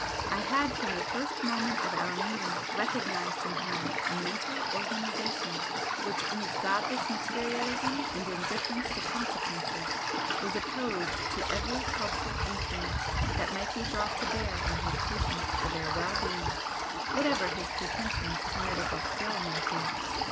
I had from the first moment of our meeting recognised in him a mental organisation which in its godless materialism and indifference to consequences, was opposed to every healthful influence that might be brought to bear on his patients for their well being, whatever his pretensions to medical skill might be.